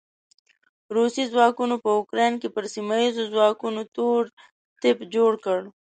روسي ځواکونو په يوکراين کې پر سیمه ايزو ځواکونو تور تيپ جوړ کړ.